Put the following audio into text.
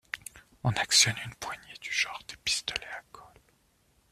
On actionne une poignée du genre des pistolets à colle.